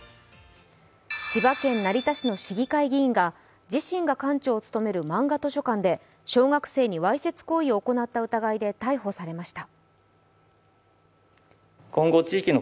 千葉県成田市の市議会議員が自身が館長を務めるまんが図書館で小学生にわいせつ行為を行った疑いで逮捕されました。